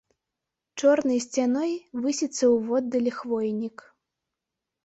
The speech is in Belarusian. Чорнай сцяной высіцца ўводдалі хвойнік.